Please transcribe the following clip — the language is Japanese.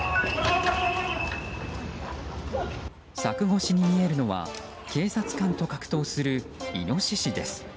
柵越しに見えるのは警察官と格闘するイノシシです。